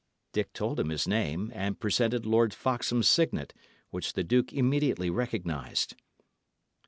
Dick told him his name, and presented Lord Foxham's signet, which the duke immediately recognised.